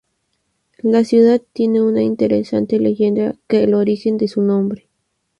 La ciudad tiene una interesante leyenda que el origen de su nombre.